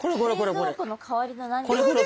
冷蔵庫の代わりの何か。